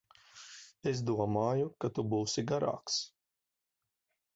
Es domāju, ka tu būsi garāks.